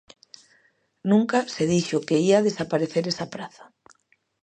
Nunca se dixo que ía desaparecer esa praza.